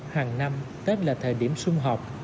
hàng năm tết là thời điểm sung học